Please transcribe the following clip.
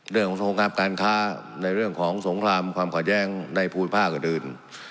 เรื่องของสงครามการค้าในเรื่องของสงครามความขัดแย้งในภูมิภาคอื่น